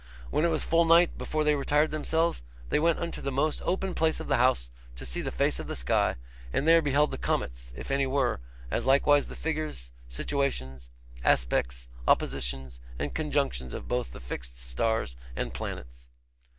When it was full night before they retired themselves, they went unto the most open place of the house to see the face of the sky, and there beheld the comets, if any were, as likewise the figures, situations, aspects, oppositions, and conjunctions of both the fixed stars and planets.